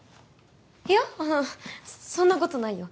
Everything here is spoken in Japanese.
いやそんなことないよ